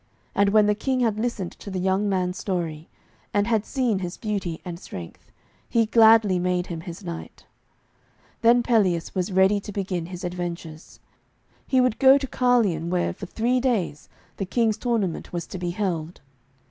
And when the King had listened to the young man's story, and had seen his beauty and strength, he gladly made him his knight. Then Pelleas was ready to begin his adventures. He would go to Carleon, where, for three days, the King's tournament was to be held.